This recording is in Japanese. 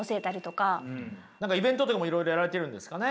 何かイベントとかもいろいろやられてるんですかね。